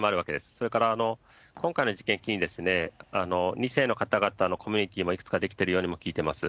それから今回の事件を機に、二世の方のコミュニティもいくつか出来ているように聞いています。